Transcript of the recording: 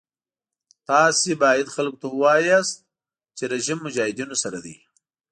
تاسو باید خلکو ته ووایئ چې رژیم مجاهدینو سره دی.